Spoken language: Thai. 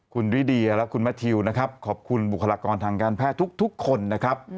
คุณริเดียและคุณแมททิวนะครับขอบคุณบุคลากรทางการแพทย์ทุกคนนะครับ